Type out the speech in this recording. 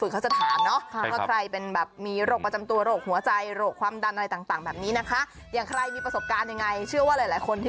เราคงไปด้วยกันไม่ได้หรอกเธอ